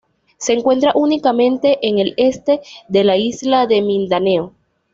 Se encuentra únicamente en el este de la isla de Mindanao.